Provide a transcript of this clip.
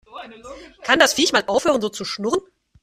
Kann das Viech mal aufhören so zu schnurren?